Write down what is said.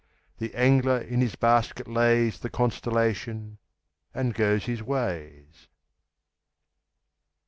The angler in his basket lays The constellation, and goes his ways.